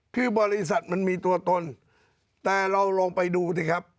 คือบริษัทมันมีตัวตนแต่เราลองไปดูสิครับ